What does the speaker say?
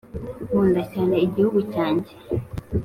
nkunda cyane igihugu cyange